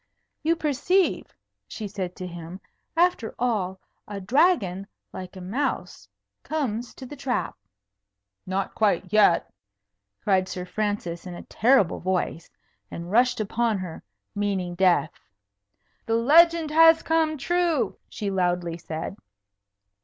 "You perceive," she said to him, "after all, a dragon, like a mouse, comes to the trap." "Not quite yet," cried Sir Francis, in a terrible voice, and rushed upon her, meaning death. "The legend has come true!" she loudly said.